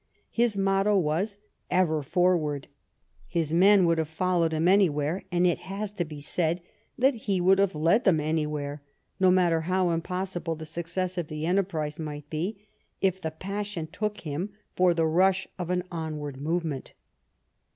His motto was " Ever forward." His men would have fol lowed him anywhere, and it has to be said that he would have led them anywhere, no matter how impos sible the success of the enterprise might be, if the passion took him for the rush of an onward movement.